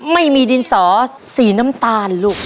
ไม่มีดินสอสีน้ำตาลลูก